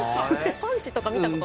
パンチとか見た事ない。